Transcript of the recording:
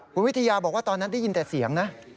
คุณวิทยาบอกว่าตอนนั้นได้ยินแต่เสียงนะ